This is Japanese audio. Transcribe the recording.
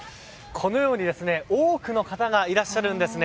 このように多くの方がいらっしゃるんですね。